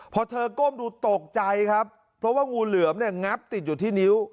พอเธอก้มดูตกใจครับเพราะว่างูเหลือมเนี่ยงับติดอยู่ที่นิ้ว